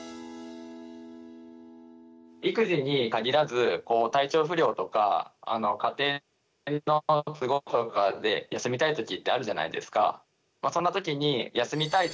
育児に限らず体調不良とか家庭の都合とかで休みたい時ってあるじゃないですか。